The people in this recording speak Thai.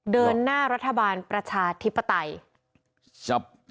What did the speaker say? เดินหน้ารัฐบาลประชาธิปไตย